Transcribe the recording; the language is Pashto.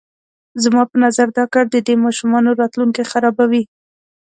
زما په نظر دا کار د دې ماشومانو راتلونکی خرابوي.